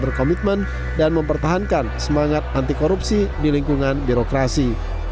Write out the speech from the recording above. berkomitmen dan mempertahankan semangat anti korupsi di lingkungan birokrasi